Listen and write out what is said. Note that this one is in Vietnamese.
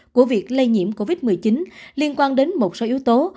của việc lây nhiễm covid một mươi chín liên quan đến một số yếu tố